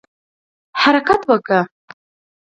حرکت وکړ.